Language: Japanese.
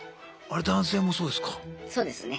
あれ男性もそうですか？